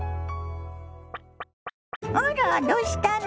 あらどうしたの？